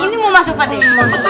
ini mau masuk pak